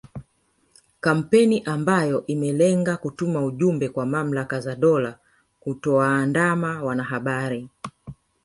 Kampeni ambayo imelenga kutuma ujumbe kwa mamlaka za dola kutowaandama wanahabari